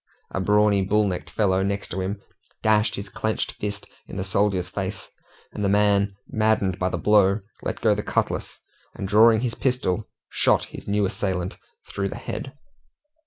A brawny, bull necked fellow next him dashed his clenched fist in the soldier's face, and the man maddened by the blow, let go the cutlass, and drawing his pistol, shot his new assailant through the head.